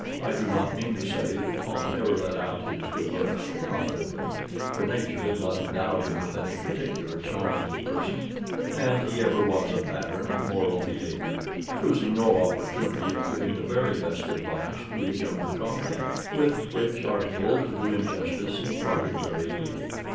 I do not mean to say that Tom ever let out his good looks so profitably, for nature had not endowed him with any particular charms of person, and he ever was a pattern of moral behavior, losing no opportunity of giving the very best advice to his younger comrade; with which article, to do him justice, he parted very freely.